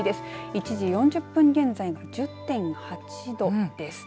１時４０分現在が１０．８度です。